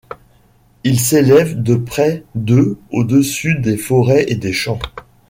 Il s'élève de près de au-dessus des forêts et des champs.